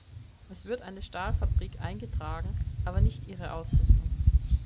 Es wird eine Stahlfabrik eingetragen, aber nicht ihre Ausrüstung.